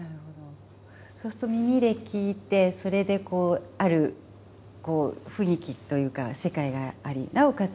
そうすると耳で聞いてそれでこうある雰囲気というか世界がありなおかつ